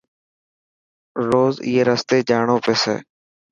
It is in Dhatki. روز اي رستي ڄاڻو پيسي.